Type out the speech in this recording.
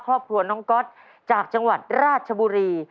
ครอบครัวน้องก๊อตจากจังหวัดราชบุรี